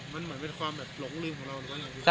มันเหมือนเป็นความหลงลืมของเราหรือเปล่า